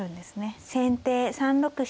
先手３六飛車。